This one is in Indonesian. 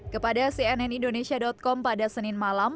kepada cnnindonesia com pada senin malam